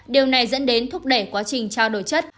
điều này dẫn đến thúc đẩy quá trình trao đổi chất